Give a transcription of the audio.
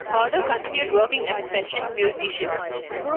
Hodder continued working as a session musician.